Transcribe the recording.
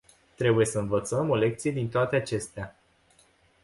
Trebuie să învățăm o lecție din toate acestea.